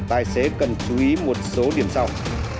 tài xế cần chú ý một số điểm sau